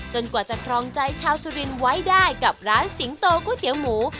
กว่าจะครองใจชาวสุรินทร์ไว้ได้กับร้านสิงโตก๋วยเตี๋ยวหมู